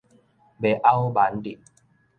袂拗蠻得